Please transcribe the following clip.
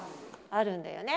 あるんだよね。